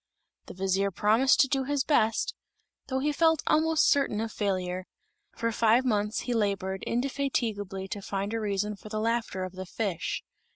The vizier promised to do his best, though he felt almost certain of failure. For five months he labored indefatigably to find a reason for the laughter of the fish.